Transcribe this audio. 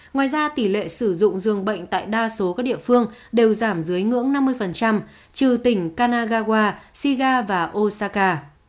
ngoài ra tỷ lệ sử dụng dường bệnh tại đa số các địa phương đều giảm dưới ngưỡng năm mươi trừ tỉnh kanagawa shiga và osaka